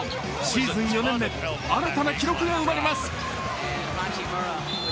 シーズン４年目、新たな記録が生まれます。